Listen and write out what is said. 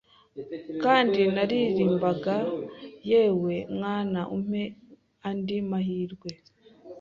Kandi naririmbaga yewe mwana umpe andi mahirwe